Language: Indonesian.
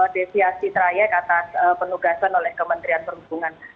deviasi trayek atas penugasan oleh kementerian perhubungan